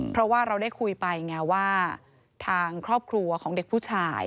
เพราะว่าเราได้คุยไปไงว่าทางครอบครัวของเด็กผู้ชาย